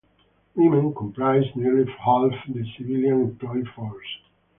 Women comprised nearly half the civilian employee force.